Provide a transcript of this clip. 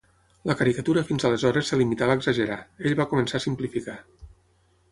La caricatura fins aleshores es limitava a exagerar, ell va començar a simplificar.